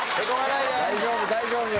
大丈夫！